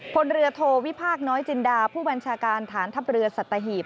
พลเรือโทวิพากษ์น้อยจินดาผู้บัญชาการฐานทัพเรือสัตหีบ